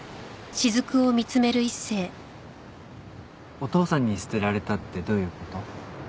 お父さんに捨てられたってどういう事？